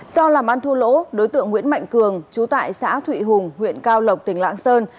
do làm ăn thua lỗ đối tượng nguyễn mạnh cường chú tại xã thụy hùng huyện cao lộc tỉnh lạng sơn